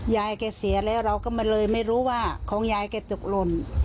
ยายแกเสียแล้วเราก็เลยไม่รู้ว่าของยายแกตกหล่น